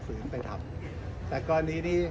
ผื่นไปทำแต่ก่อนนี้นี้